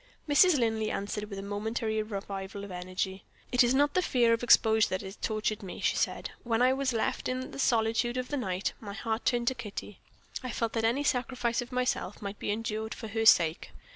Mrs. Linley answered with a momentary revival of energy: "It is not the fear of exposure that has tortured me," she said. "When I was left in the solitude of the night, my heart turned to Kitty; I felt that any sacrifice of myself might be endured for her sake.